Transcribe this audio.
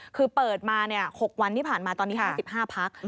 คือเปิดมา๖วันที่ผ่านมาตอนนี้๕๕พัก